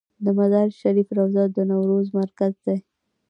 د مزار شریف روضه د نوروز مرکز دی